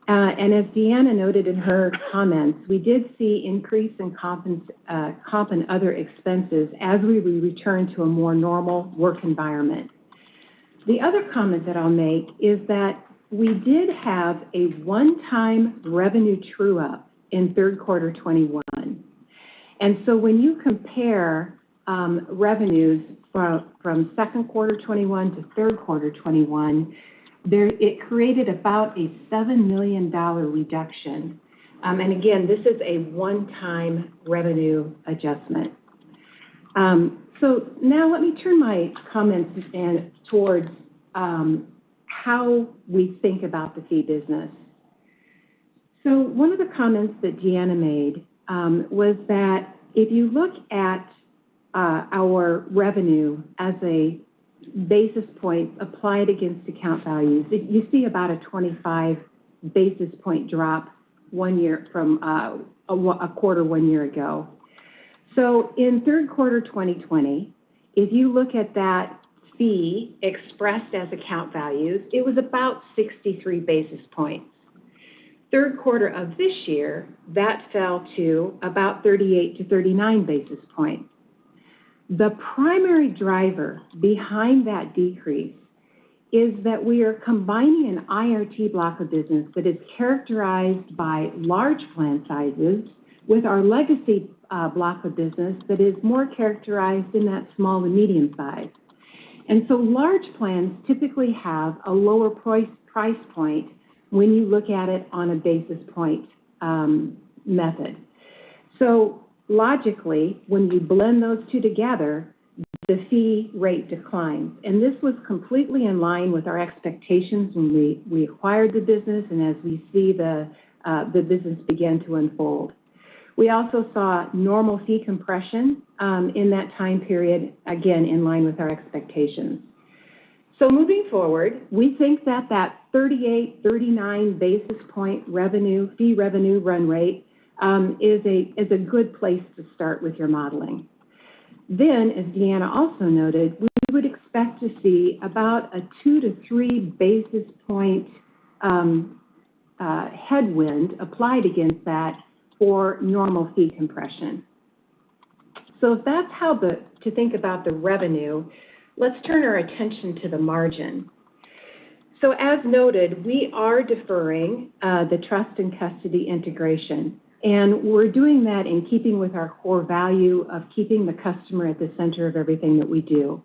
Speaker 7: As Deanna noted in her comments, we did see an increase in comp and other expenses as we returned to a more normal work environment. The other comment that I'll make is that we did have a one-time revenue true-up in third quarter 2021. When you compare revenues from second quarter 2021 to third quarter 2021, it created about a $7 million reduction. Again, this is a one-time revenue adjustment. Now let me turn my comments then towards how we think about the fee business. One of the comments that Deanna made was that if you look at our revenue as a basis point applied against account values, you see about a 25 basis point drop one year from a quarter one year ago. In third quarter 2020, if you look at that fee expressed as account values, it was about 63 basis points. Third quarter of this year, that fell to about 38-39 basis points. The primary driver behind that decrease is that we are combining an IRT block of business that is characterized by large plan sizes with our legacy block of business that is more characterized in that small to medium size. Large plans typically have a lower price point when you look at it on a basis point method. Logically, when you blend those two together, the fee rate declines, and this was completely in line with our expectations when we acquired the business and as we see the business begin to unfold. We also saw normal fee compression in that time period, again, in line with our expectations. Moving forward, we think that 38-39 basis points fee revenue run rate is a good place to start with your modeling. As Deanna also noted, we would expect to see about a 2-3 basis points headwind applied against that for normal fee compression. If that's how to think about the revenue, let's turn our attention to the margin. As noted, we are deferring the trust and custody integration, and we're doing that in keeping with our core value of keeping the customer at the center of everything that we do.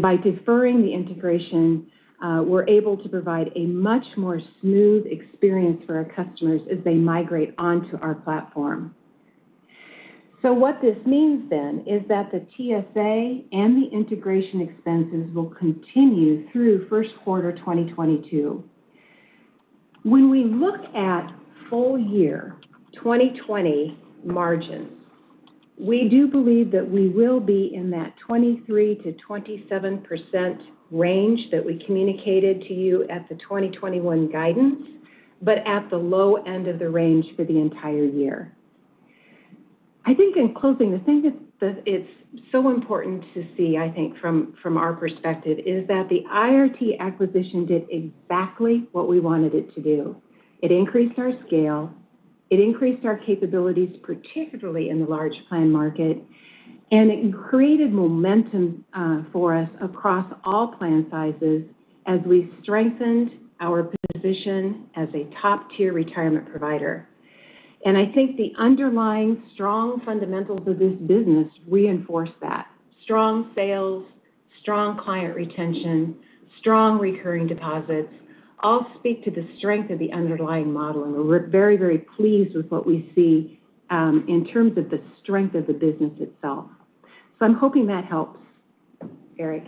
Speaker 7: By deferring the integration, we're able to provide a much more smooth experience for our customers as they migrate onto our platform. What this means is that the TSA and the integration expenses will continue through first quarter 2022. When we look at full year 2020 margins, we do believe that we will be in that 23%-27% range that we communicated to you at the 2021 guidance, but at the low end of the range for the entire year. I think in closing, the thing that it's so important to see, I think, from our perspective is that the IRT acquisition did exactly what we wanted it to do. It increased our scale, it increased our capabilities, particularly in the large plan market, and it created momentum for us across all plan sizes as we strengthened our position as a top-tier retirement provider. I think the underlying strong fundamentals of this business reinforce that. Strong sales, strong client retention, strong recurring deposits all speak to the strength of the underlying model, and we're very, very pleased with what we see in terms of the strength of the business itself. I'm hoping that helps. Erik?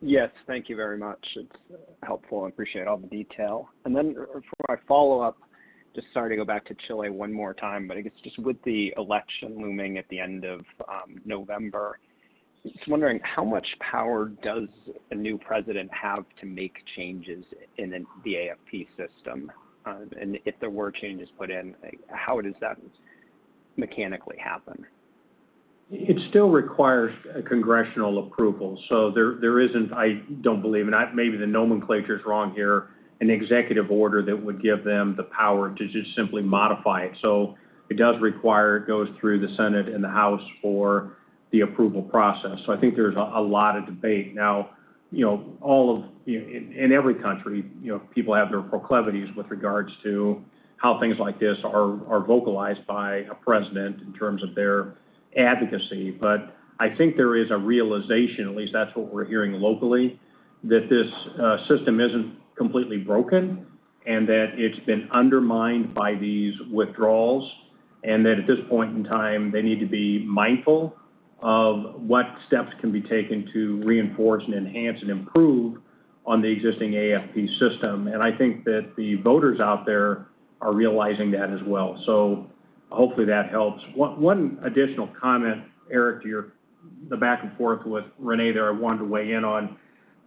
Speaker 12: Yes. Thank you very much. It's helpful. I appreciate all the detail. For my follow-up, just sorry to go back to Chile one more time, but I guess just with the election looming at the end of November, just wondering how much power does a new president have to make changes in the AFP system? And if there were changes put in, like, how does that mechanically happen?
Speaker 2: It still requires a congressional approval. There isn't, I don't believe, maybe the nomenclature is wrong here, an executive order that would give them the power to just simply modify it. It does require it goes through the Senate and the House for the approval process. I think there's a lot of debate. Now, you know, all of, in every country, you know, people have their proclivities with regards to how things like this are vocalized by a president in terms of their advocacy. I think there is a realization, at least that's what we're hearing locally, that this system isn't completely broken and that it's been undermined by these withdrawals, and that at this point in time, they need to be mindful of what steps can be taken to reinforce and enhance and improve on the existing AFP system. I think that the voters out there are realizing that as well. Hopefully that helps. One additional comment, Eric, the back and forth with Renee there I wanted to weigh in on.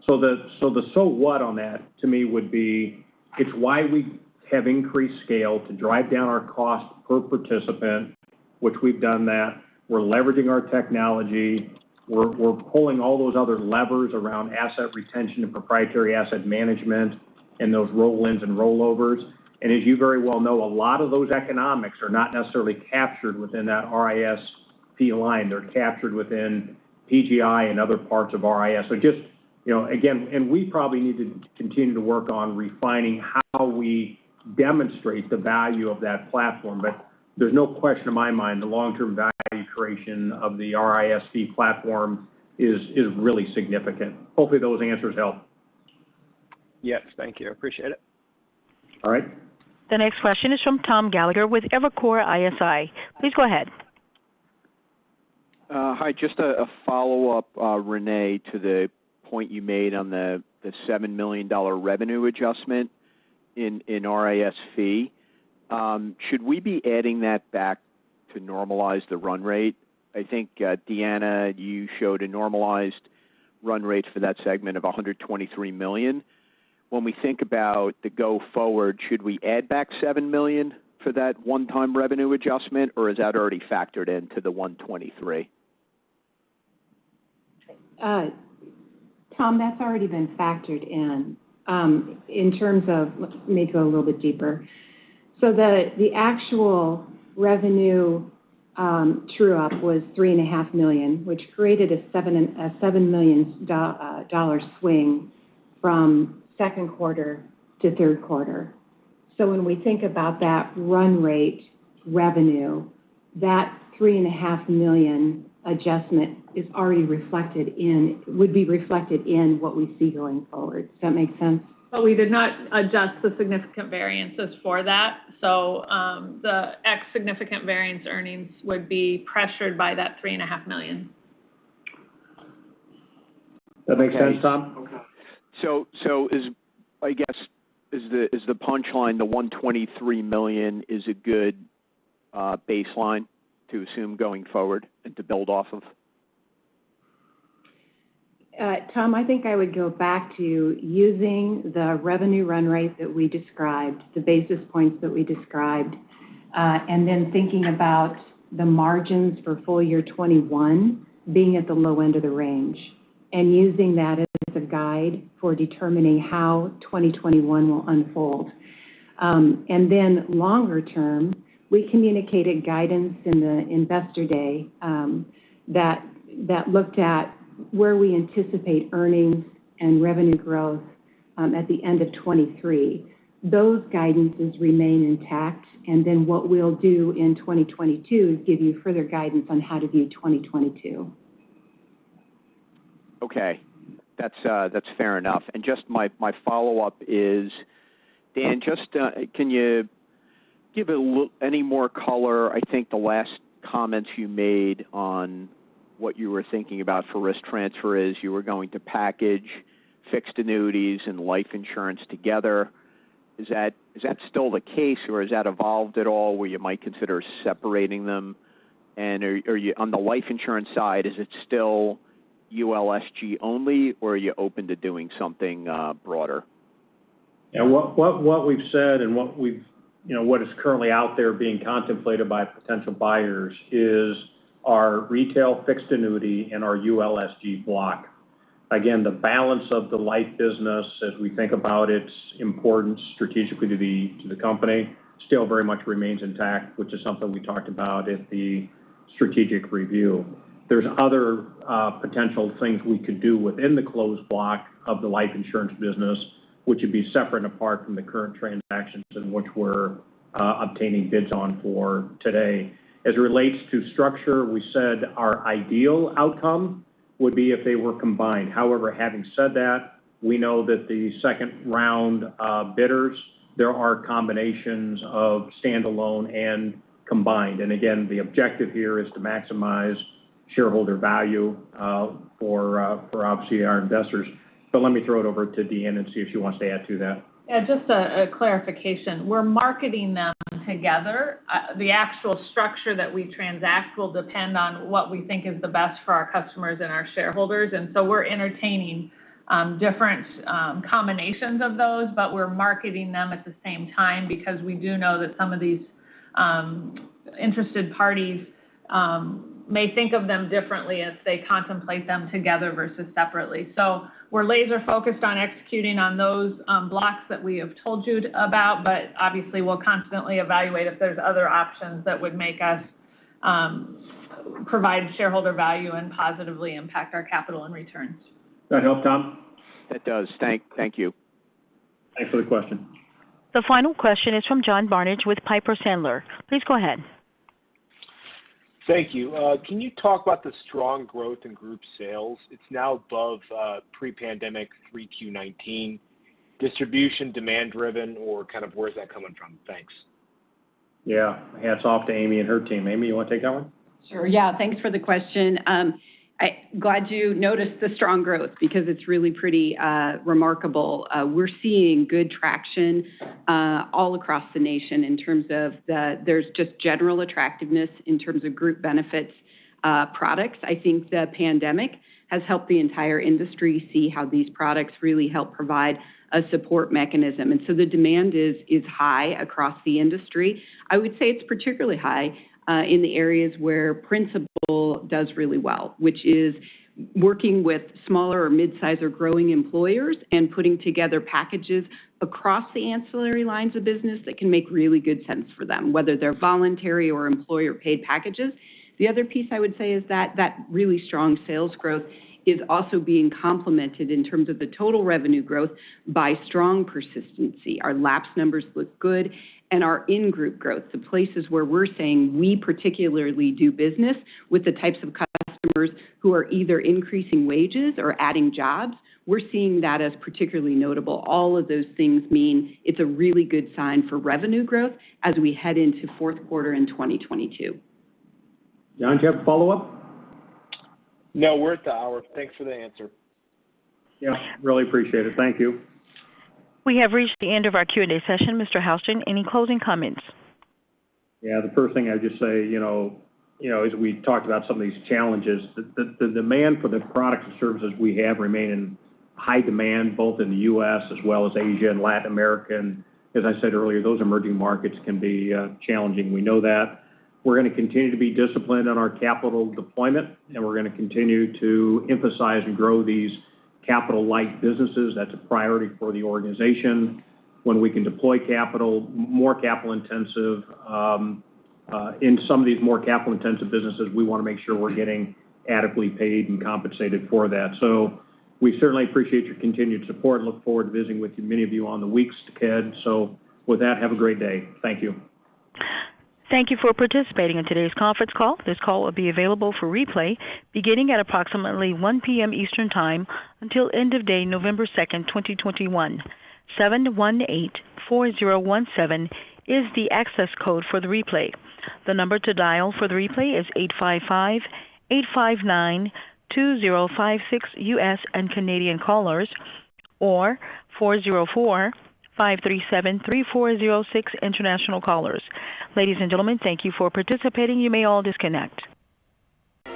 Speaker 2: The so what on that to me would be, it's why we have increased scale to drive down our cost per participant, which we've done that. We're leveraging our technology. We're pulling all those other levers around asset retention and proprietary asset management and those roll-ins and rollovers. As you very well know, a lot of those economics are not necessarily captured within that RIS-Fee line. They're captured within PGI and other parts of RIS. Just, you know, again, and we probably need to continue to work on refining how we demonstrate the value of that platform. But there's no question in my mind the long-term value creation of the RIS-Fee platform is really significant. Hopefully, those answers help.
Speaker 12: Yes. Thank you. I appreciate it.
Speaker 2: All right.
Speaker 4: The next question is from Tom Gallagher with Evercore ISI. Please go ahead.
Speaker 13: Hi. Just a follow-up, Renee, to the point you made on the $7 million revenue adjustment in RIS-Fee. Should we be adding that back to normalize the run rate? I think, Deanna, you showed a normalized run rate for that segment of $123 million. When we think about the go forward, should we add back $7 million for that one-time revenue adjustment, or is that already factored into the $123 million?
Speaker 7: Tom, that's already been factored in. In terms of, let me go a little bit deeper. The actual revenue true-up was $3.5 million, which created a $7 million swing from second quarter to third quarter. When we think about that run rate revenue, that $3.5 million adjustment is already reflected in what we see going forward. Does that make sense?
Speaker 3: We did not adjust the significant variances for that. The ex significant variance earnings would be pressured by that $3.5 million.
Speaker 2: That makes sense, Tom?
Speaker 13: I guess, is the punchline, the $123 million a good baseline to assume going forward and to build off of?
Speaker 7: Tom, I think I would go back to using the revenue run rate that we described, the basis points that we described, and then thinking about the margins for full year 2021 being at the low end of the range and using that as a guide for determining how 2021 will unfold. Longer term, we communicated guidance in the Investor Day that looked at where we anticipate earnings and revenue growth at the end of 2023. Those guidances remain intact, and then what we'll do in 2022 is give you further guidance on how to view 2022.
Speaker 13: Okay. That's fair enough. Just my follow-up is, Dan, just can you give any more color? I think the last comments you made on what you were thinking about for risk transfer is you were going to package fixed annuities and life insurance together. Is that still the case, or has that evolved at all where you might consider separating them? Are you on the life insurance side, is it still ULSG only, or are you open to doing something broader?
Speaker 2: Yeah. What we've said and, you know, what is currently out there being contemplated by potential buyers is our retail fixed annuity and our ULSG block. Again, the balance of the life business as we think about its importance strategically to the company still very much remains intact, which is something we talked about at the strategic review. There's other potential things we could do within the closed block of the life insurance business, which would be separate and apart from the current transactions in which we're obtaining bids on for today. As it relates to structure, we said our ideal outcome would be if they were combined. However, having said that, we know that the second round of bidders, there are combinations of standalone and combined. Again, the objective here is to maximize shareholder value for, obviously, our investors. Let me throw it over to Deanna and see if she wants to add to that.
Speaker 3: Yeah, just a clarification. We're marketing them together. The actual structure that we transact will depend on what we think is the best for our customers and our shareholders. We're entertaining different combinations of those, but we're marketing them at the same time because we do know that some of these interested parties may think of them differently as they contemplate them together versus separately. We're laser focused on executing on those blocks that we have told you about, but obviously, we'll constantly evaluate if there's other options that would make us provide shareholder value and positively impact our capital and returns.
Speaker 2: Does that help, Tom?
Speaker 13: It does. Thank you.
Speaker 2: Thanks for the question.
Speaker 4: The final question is from John Barnidge with Piper Sandler. Please go ahead.
Speaker 14: Thank you. Can you talk about the strong growth in Group Sales? It's now above pre-pandemic 3Q19. Distribution demand driven or kind of where is that coming from? Thanks.
Speaker 2: Yeah. Hats off to Amy and her team. Amy, you wanna take that one?
Speaker 15: Sure, yeah. Thanks for the question. Glad you noticed the strong growth because it's really pretty remarkable. We're seeing good traction all across the nation in terms of there's just general attractiveness in terms of group benefits products. I think the pandemic has helped the entire industry see how these products really help provide a support mechanism. The demand is high across the industry. I would say it's particularly high in the areas where Principal does really well, which is working with smaller or mid-size or growing employers and putting together packages across the ancillary lines of business that can make really good sense for them, whether they're voluntary or employer paid packages. The other piece I would say is that that really strong sales growth is also being complemented in terms of the total revenue growth by strong persistency. Our lapse numbers look good and our in-force growth, the places where we're seeing we particularly do business with the types of customers who are either increasing wages or adding jobs, we're seeing that as particularly notable. All of those things mean it's a really good sign for revenue growth as we head into fourth quarter in 2022.
Speaker 2: John, do you have a follow-up?
Speaker 14: No, we're at the hour. Thanks for the answer.
Speaker 2: Yeah, really appreciate it. Thank you.
Speaker 4: We have reached the end of our Q&A session. Mr. Houston, any closing comments?
Speaker 2: Yeah, the first thing I'd just say, you know, as we talked about some of these challenges, the demand for the products and services we have remain in high demand, both in the U.S. as well as Asia and Latin America. As I said earlier, those emerging markets can be challenging. We know that. We're gonna continue to be disciplined on our capital deployment, and we're gonna continue to emphasize and grow these capital-like businesses. That's a priority for the organization. When we can deploy capital, more capital intensive in some of these more capital-intensive businesses, we wanna make sure we're getting adequately paid and compensated for that. We certainly appreciate your continued support and look forward to visiting with you, many of you on the weeks ahead. With that, have a great day. Thank you.
Speaker 4: Thank you for participating in today's conference call. This call will be available for replay beginning at approximately 1 P.M. Eastern time until end of day, November 2, 2021. 7184017 is the access code for the replay. The number to dial for the replay is 855-859-2056 U.S. and Canadian callers or 404-537-3406 international callers. Ladies and gentlemen, thank you for participating. You may all disconnect.